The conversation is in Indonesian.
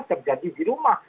terjadi di rumah